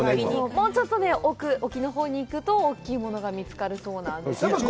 もうちょっと沖のほうに行くと、大きいものが見つかるそうなんです。